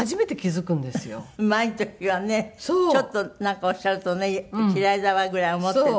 前の時はねちょっとなんかおっしゃるとね嫌いだわぐらい思っていて。